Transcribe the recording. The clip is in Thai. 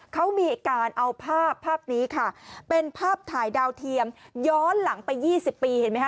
เขามีการเอาภาพภาพนี้ค่ะเป็นภาพถ่ายดาวเทียมย้อนหลังไป๒๐ปีเห็นไหมค